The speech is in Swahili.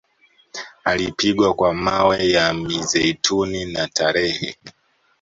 Alipigwa kwa mawe ya mizeituni na tarehe